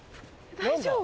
大丈夫？